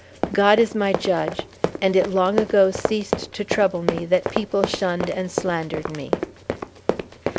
God is my judge, and it long ago ceased to trouble me that people shunned and slandered me."